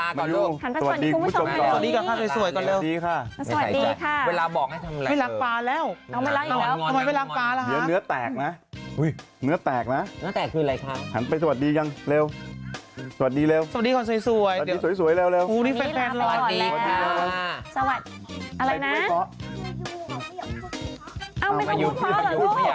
จริงจริงนะผมไม่อยากพูดเพราะอ๋อโอเคทำไมล่ะคะไม่พูดเพราะหรอคะ